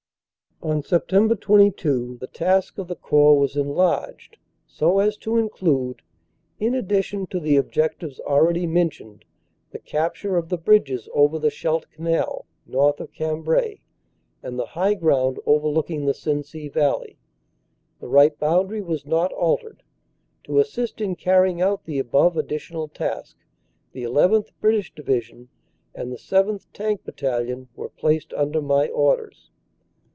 "On Sept. 22 the task of the Corps was enlarged so as to include, in addition to the objectives already mentioned, the capture of the bridges over the Scheldt Canal, north of Cam brai, and the high ground overlooking the Sensee Valley. The right boundary was not altered. To assist in carrying out the above additional task, the llth. British Division and the 7th. Tank Battalion were placed under my orders.